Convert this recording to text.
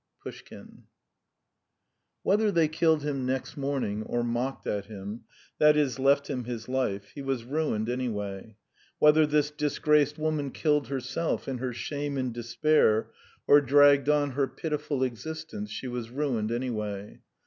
PUSHKIN. Whether they killed him next morning, or mocked at him that is, left him his life he was ruined, anyway. Whether this disgraced woman killed herself in her shame and despair, or dragged on her pitiful existence, she was ruined anyway.